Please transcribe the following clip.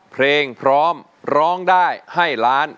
เพลงพร้อมร้องได้ให้ล้าน